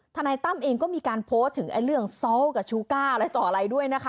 นายตั้มเองก็มีการโพสต์ถึงเรื่องซ้อกับชูก้าอะไรต่ออะไรด้วยนะคะ